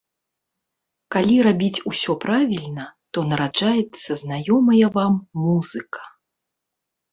Калі рабіць усё правільна, то нараджаецца знаёмая вам музыка.